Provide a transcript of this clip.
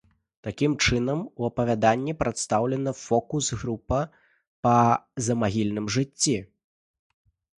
Такім чынам у апавяданні прадстаўлена фокус-група па замагільным жыцці.